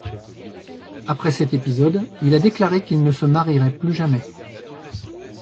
Après cet épisode, il a déclaré qu'il ne se marierait plus jamais.